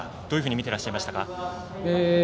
どのように見てらっしゃいましたか。